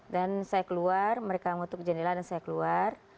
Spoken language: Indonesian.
dan saya keluar mereka menutup jendela dan saya keluar